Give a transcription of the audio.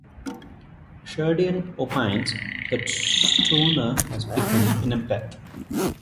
Sheridan opines that Stoner has become an empath.